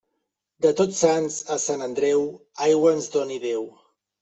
De Tots Sants a Sant Andreu, aigua ens doni Déu.